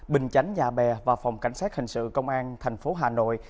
bình chánh nhà bè và phòng cảnh sát hình sự công an thành phố hà nội